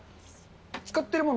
使ってるもの